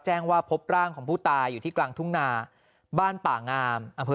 แจ้งว่าพบร่างของผู้ตายอยู่ที่กลางทุ่งนาบ้านป่างามอำเภอ